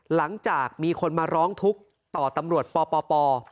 หลังจากมีคนมาร้องทุกข์ต่อตำรวจปป